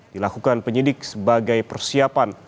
dilakukan penyidik sebagai persiapan